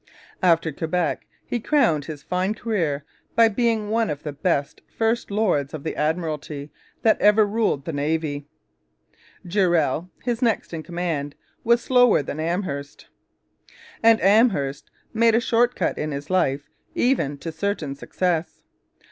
After Quebec he crowned his fine career by being one of the best first lords of the Admiralty that ever ruled the Navy. Durell, his next in command, was slower than Amherst; and Amherst never made a short cut in his life, even to certain success.